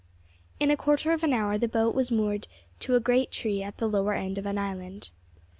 In a quarter of an hour the boat was moored to a great tree at the lower end of an island.